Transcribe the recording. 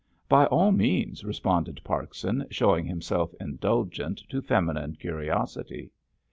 "By all means," responded Parkson, showing himself indulgent to feminine curiosity.